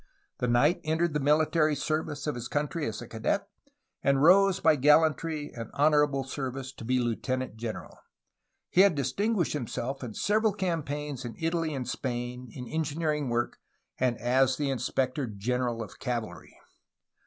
The knight entered the military service of his country as a cadet, and rose by gallantry and honor able service to be lieutenant general. He had distinguished him self in several campaigns in Italy and Spain, in engineering work, and as the inspector general of cavalry.